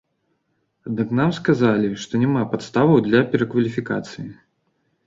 Аднак нам сказалі, што няма падставаў для перакваліфікацыі.